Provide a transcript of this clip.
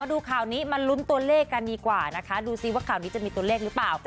ดูข่าวนี้มาลุ้นตัวเลขกันดีกว่านะคะดูซิว่าข่าวนี้จะมีตัวเลขหรือเปล่า